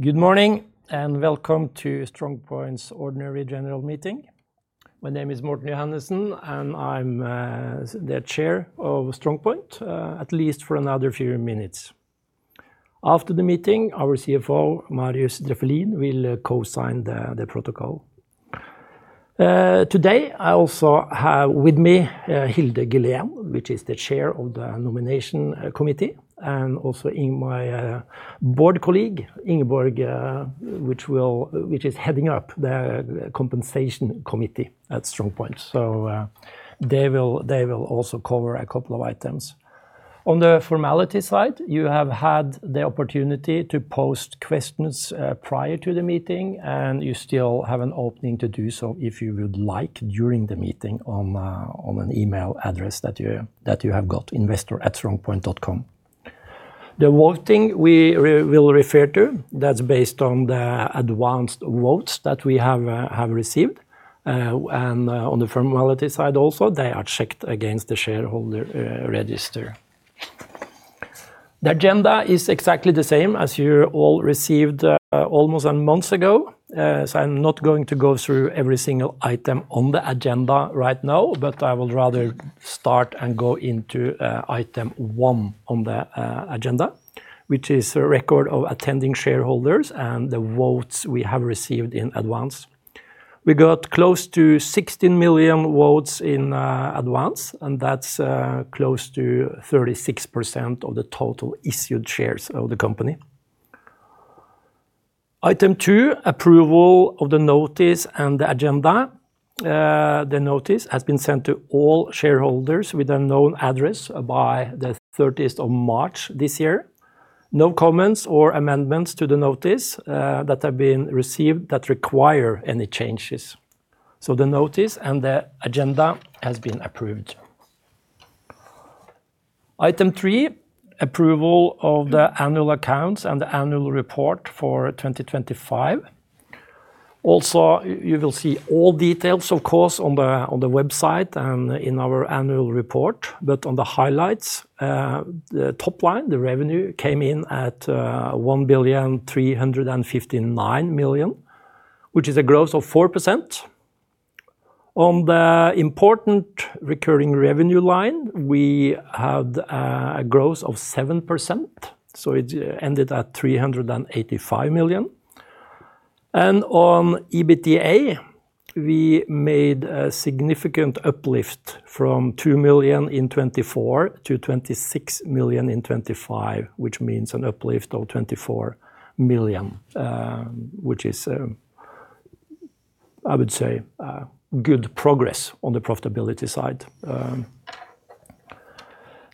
Good morning, welcome to StrongPoint's ordinary general meeting. My name is Morthen Johannessen, and I'm the Chair of StrongPoint, at least for another few minutes. After the meeting, our CFO, Marius Drefvelin, will co-sign the protocol. Today, I also have with me Hilde Gilen, which is the Chair of the Nomination Committee, and also my board colleague, Ingeborg, which is heading up the Compensation Committee at StrongPoint. They will also cover a couple of items. On the formality side, you have had the opportunity to post questions prior to the meeting, and you still have an opening to do so if you would like during the meeting on an email address that you have got, investor@strongpoint.com. The voting we will refer to, that's based on the advanced votes that we have received. And on the formality side also, they are checked against the shareholder register. The agenda is exactly the same as you all received almost a month ago. I'm not going to go through every single item on the agenda right now, but I would rather start and go into Item 1 on the agenda, which is a record of attending shareholders and the votes we have received in advance. We got close to 16 million votes in advance, and that's close to 36% of the total issued shares of the company. Item 2, approval of the notice and the agenda. The notice has been sent to all shareholders with a known address by the 30th of March this year. No comments or amendments to the notice that have been received that require any changes. The notice and the agenda has been approved. Item 3, approval of the annual accounts and the annual report for 2025. Also, you will see all details, of course, on the website and in our annual report. On the highlights, the top line, the revenue, came in at 1,359,000,000, which is a growth of 4%. On the important recurring revenue line, we had a growth of 7%, so it ended at 385 million. On EBITDA, we made a significant uplift from 2 million in 2024 to 26 million in 2025, which means an uplift of 24 million, which is, I would say, a good progress on the profitability side.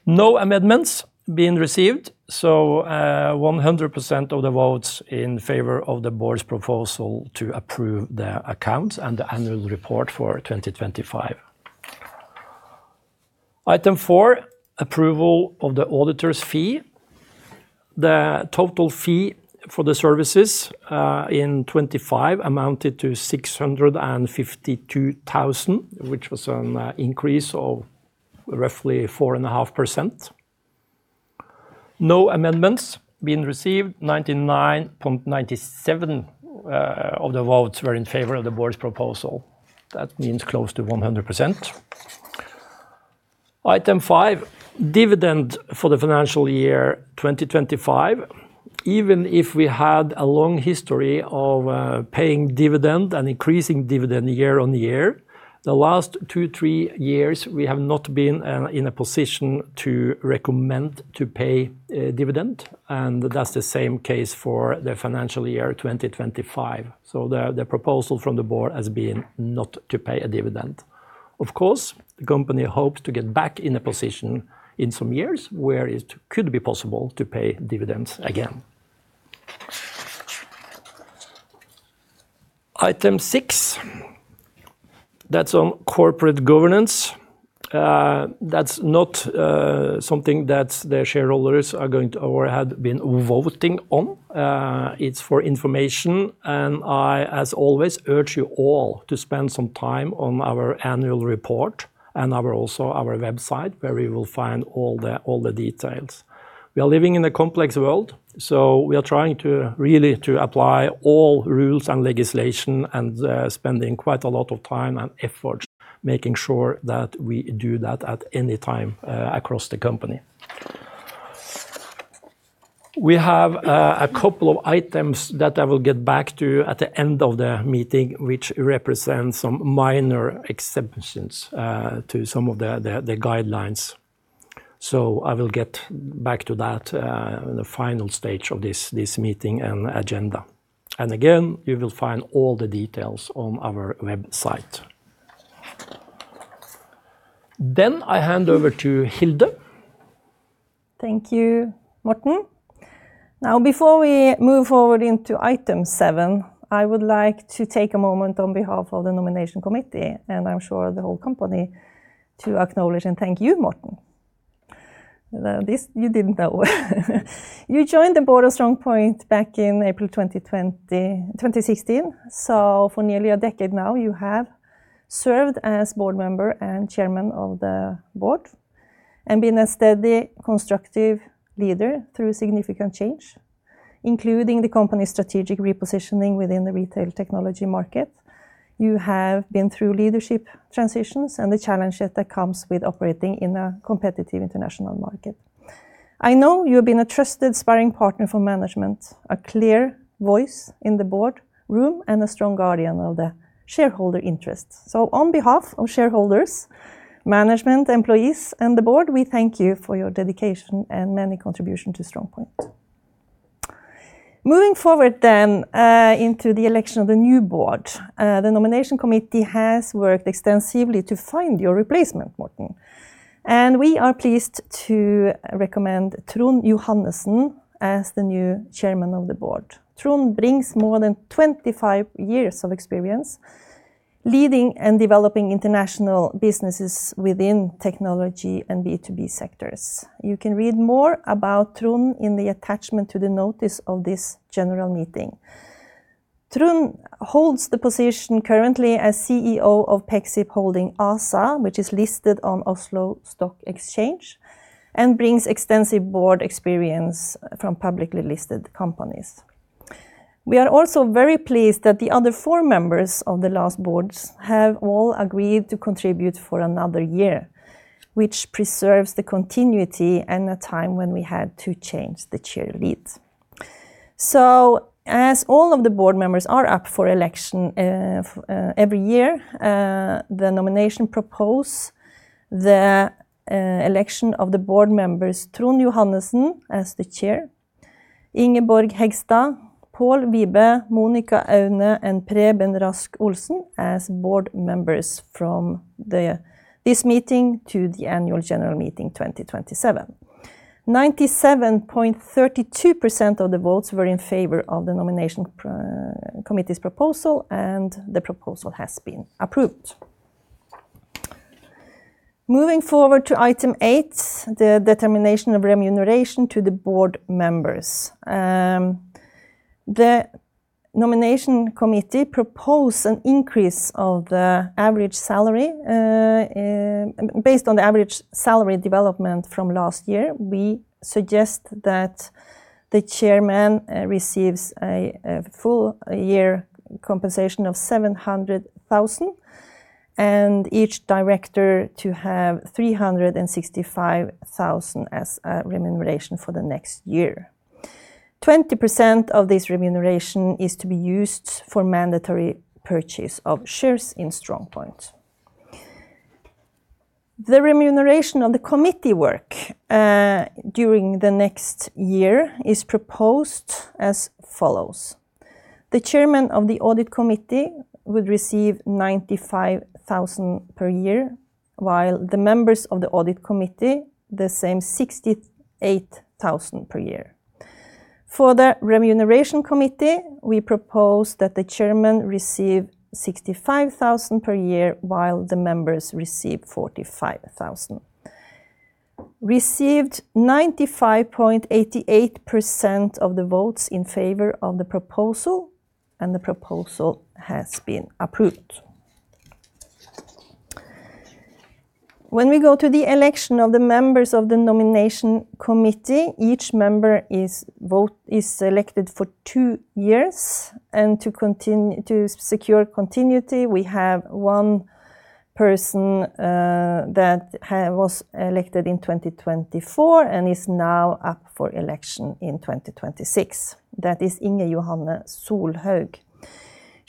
No amendments been received, 100% of the votes in favor of the board's proposal to approve the accounts and the annual report for 2025. Item 4, approval of the auditor's fee. The total fee for the services in 2025 amounted to 652,000, which was an increase of roughly 4.5%. No amendments been received, 99.97% of the votes were in favor of the board's proposal. That means close to 100%. Item 5, dividend for the financial year 2025. Even if we had a long history of paying dividend and increasing dividend year-on-year, the last two, three years, we have not been in a position to recommend to pay a dividend, and that's the same case for the financial year 2025. The proposal from the board has been not to pay a dividend. Of course, the company hopes to get back in a position in some years where it could be possible to pay dividends again. Item 6, that's on corporate governance. That's not something that the shareholders are going to or had been voting on. It's for information, and I, as always, urge you all to spend some time on our annual report and our also, our website, where we will find all the, all the details. We are living in a complex world, so we are trying to really to apply all rules and legislation and spending quite a lot of time and effort making sure that we do that at any time across the company. We have a couple of items that I will get back to at the end of the meeting, which represent some minor exceptions to some of the guidelines. I will get back to that in the final stage of this meeting and agenda. Again, you will find all the details on our website. I hand over to Hilde. Thank you, Morthen. Before we move forward into Item 7, I would like to take a moment on behalf of the Nomination Committee, and I'm sure the whole company, to acknowledge and thank you, Morthen. This you didn't know. You joined the Board of StrongPoint back in April 2016. For nearly a decade now, you have served as Board member and Chairman of the Board and been a steady, constructive leader through significant change, including the company's strategic repositioning within the retail technology market. You have been through leadership transitions and the challenges that comes with operating in a competitive international market. I know you've been a trusted sparring partner for management, a clear voice in the Boardroom, and a strong guardian of the shareholder interests. On behalf of shareholders, management, employees, and the board, we thank you for your dedication and many contribution to StrongPoint. Moving forward into the election of the new board. The Nomination Committee has worked extensively to find your replacement, Morthen Johannessen, and we are pleased to recommend Trond Johannessen as the new Chairman of the Board. Trond brings more than 25 years of experience leading and developing international businesses within technology and B2B sectors. You can read more about Trond in the attachment to the notice of this general meeting. Trond holds the position currently as CEO of Pexip Holding ASA, which is listed on Oslo Stock Exchange, and brings extensive board experience from publicly listed companies. We are also very pleased that the other four members of the last Board have all agreed to contribute for another year, which preserves the continuity in a time when we had to change the Chair. As all of the Board members are up for election every year, the Nomination Committee proposes the election of the Board members, Trond Johannessen as the Chair, Ingeborg Hegstad, Pål Wibe, Monica Aune, and Preben Rasch-Olsen as Board members from this meeting to the annual general meeting 2027. 97.32% of the votes were in favor of the Nomination Committee's proposal, the proposal has been approved. Moving forward to Item 8, the determination of remuneration to the Board members. The Nomination Committee proposes an increase of the average salary based on the average salary development from last year. We suggest that the Chairman receives a full year compensation of 700,000, and each Director to have 365,000 as remuneration for the next year. 20% of this remuneration is to be used for mandatory purchase of shares in StrongPoint. The remuneration of the committee work during the next year is proposed as follows. The Chairman of the audit committee will receive 95,000 per year, while the members of the audit committee, the same 68,000 per year. For the remuneration committee, we propose that the Chairman receive 65,000 per year, while the members receive 45,000. Received 95.88% of the votes in favor of the proposal, and the proposal has been approved. When we go to the election of the members of the nomination committee, each member is vote, is elected for two years, and to continue, to secure continuity, we have one person that was elected in 2024 and is now up for election in 2026. That is Inger Johanne Solhaug.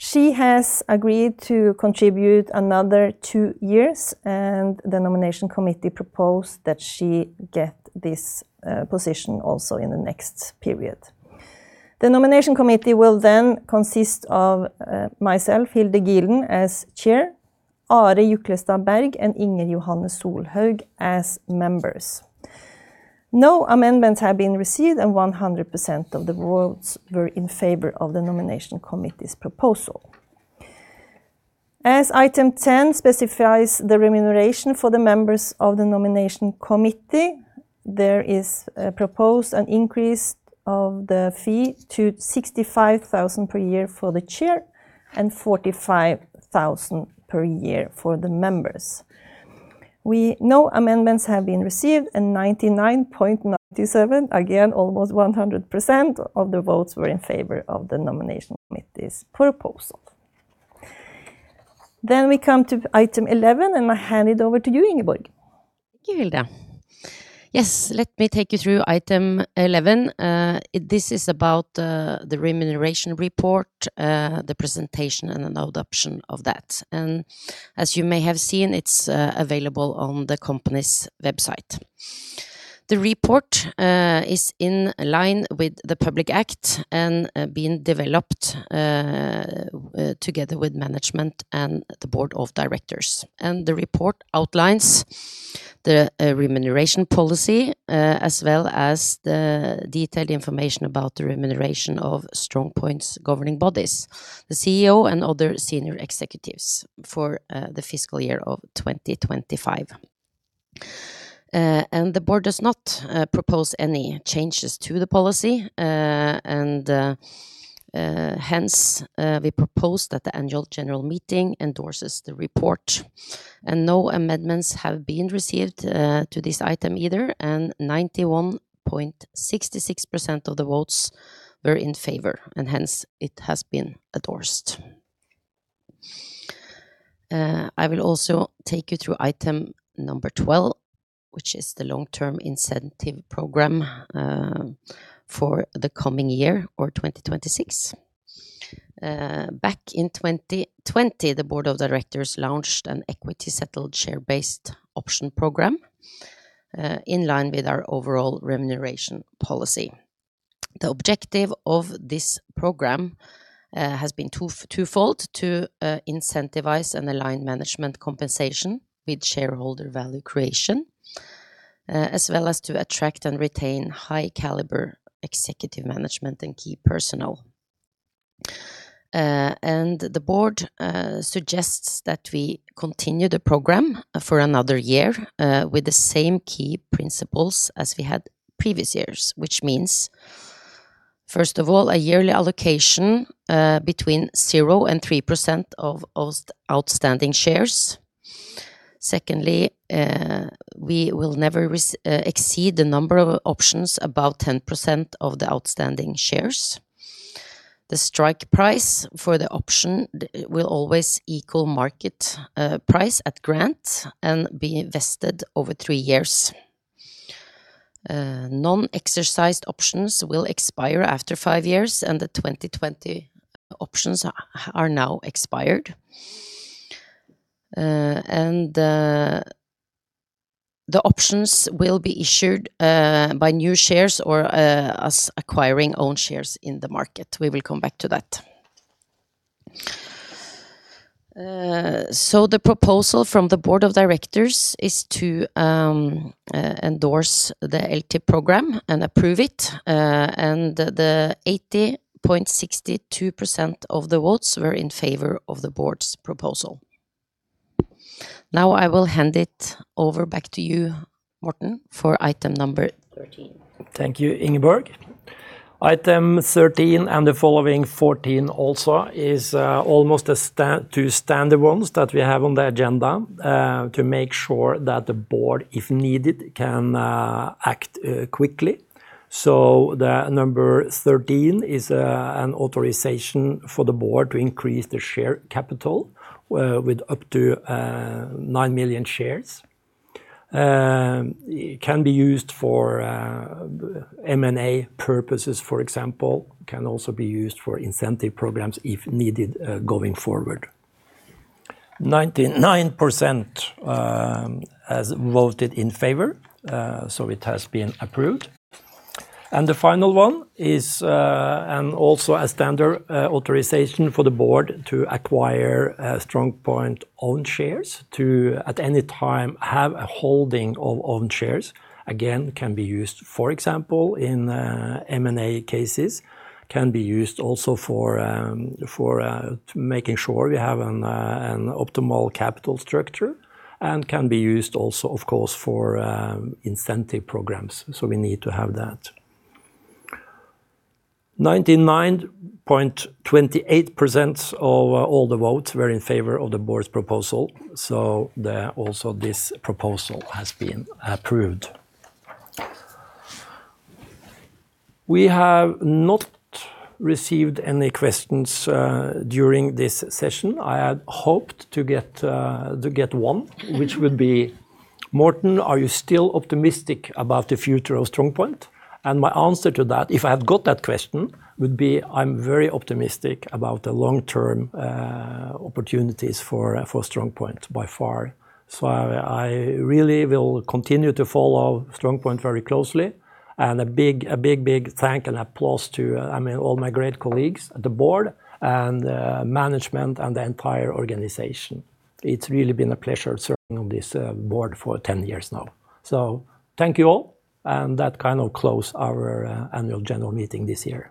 She has agreed to contribute another two years, and the nomination committee proposed that she get this position also in the next period. The nomination committee will then consist of myself, Hilde Gilen, as Chair, Are Juklestad Berg and Inger Johanne Solhaug as members. No amendments have been received, and 100% of the votes were in favor of the nomination committee's proposal. As Item 10 specifies the remuneration for the members of the Nomination Committee, there is proposed an increase of the fee to 65,000 per year for the Chair and 45,000 per year for the members. No amendments have been received, 99.97%, again, almost 100% of the votes were in favor of the Nomination Committee's proposal. We come to Item 11, I hand it over to you, Ingeborg. Thank you, Hilde. Let me take you through Item 11. This is about the remuneration report, the presentation and an adoption of that. As you may have seen, it's available on the company's website. The report is in line with the Public Act and been developed together with management and the board of directors. The report outlines the remuneration policy as well as the detailed information about the remuneration of StrongPoint's governing bodies, the CEO and other senior executives for the fiscal year of 2025. The board does not propose any changes to the policy, we propose that the annual general meeting endorses the report. No amendments have been received to this item either, 91.66% of the votes were in favor, hence it has been endorsed. I will also take you through Item number 12, which is the Long-Term Incentive Program for the coming year or 2026. Back in 2020, the board of directors launched an equity settled share-based option program in line with our overall remuneration policy. The objective of this program has been twofold, to incentivize and align management compensation with shareholder value creation, as well as to attract and retain high caliber executive management and key personnel. The board suggests that we continue the Long-Term Incentive Program for another year with the same key principles as we had previous years, which means, first of all, a yearly allocation between 0% and 3% of outstanding shares. Secondly, we will never exceed the number of options, about 10% of the outstanding shares. The strike price for the option will always equal market price at grant and be invested over three years. Non-exercised options will expire after five years, and the 2020 options are now expired. And the options will be issued by new shares or us acquiring own shares in the market. We will come back to that. The proposal from the board of directors is to endorse the Long-Term Incentive Program and approve it. The 80.62% of the votes were in favor of the board's proposal. Now I will hand it over back to you, Morthen, for Item number 13. Thank you, Ingeborg. Item 13 and the following 14 also is almost two standard ones that we have on the agenda to make sure that the board, if needed, can act quickly. The number 13 is an authorization for the board to increase the share capital with up to 9 million shares. It can be used for M&A purposes, for example. Can also be used for incentive programs if needed going forward. 99% has voted in favor. It has been approved. The final one is also a standard authorization for the board to acquire StrongPoint own shares to, at any time, have a holding of own shares. Again, can be used, for example, in M&A cases. Can be used also for making sure we have an optimal capital structure, and can be used also, of course, for incentive programs, so we need to have that. 99.28% of all the votes were in favor of the board's proposal, also this proposal has been approved. We have not received any questions during this session. I had hoped to get one, which would be, "Morthen, are you still optimistic about the future of StrongPoint?" My answer to that, if I had got that question, would be, "I'm very optimistic about the long-term opportunities for StrongPoint by far." I really will continue to follow StrongPoint very closely. A big thank and applause to, I mean, all my great colleagues at the Board and Management and the entire organization. It's really been a pleasure serving on this Board for 10 years now. Thank you all, and that kind of close our Annual General Meeting this year.